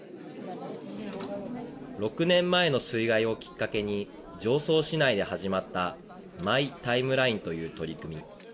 ６年前の水害をきっかけに常総市内で始まったマイ・タイムラインという取り組み。